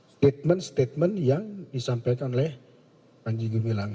statement statement yang disampaikan oleh manjigo ngilang